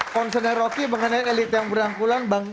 concernnya rocky mengenai elit yang berangkulan